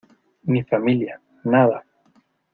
ni familia, nada.